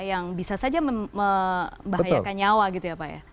yang bisa saja membahayakan nyawa gitu ya pak ya